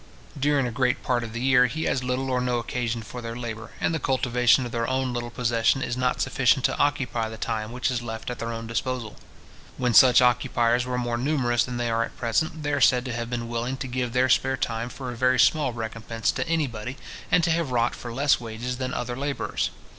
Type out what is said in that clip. During a great part of the year, he has little or no occasion for their labour, and the cultivation of their own little possession is not sufficient to occupy the time which is left at their own disposal. When such occupiers were more numerous than they are at present, they are said to have been willing to give their spare time for a very small recompence to any body, and to have wrought for less wages than other labourers.